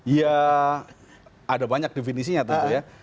ya ada banyak definisinya tentu ya